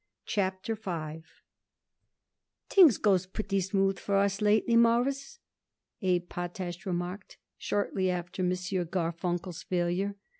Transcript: CHAPTER V "Things goes pretty smooth for us lately, Mawruss," Abe Potash remarked, shortly after M. Garfunkel's failure.